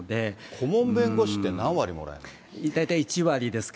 顧問弁護士って何割もらえるんですか。